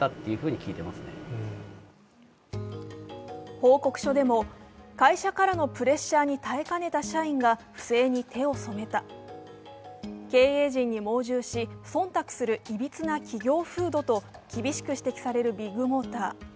報告書でも、会社からのプレッシャーに耐えかねた社員が不正に手を染めた、経営陣に盲従し、忖度するいびつな企業風土と厳しく指摘されるビッグモーター。